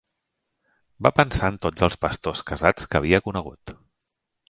Va pensar en tots els pastors casats que havia conegut.